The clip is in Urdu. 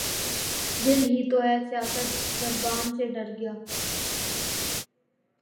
دل ہی تو ہے سیاست درباں سے ڈر گیا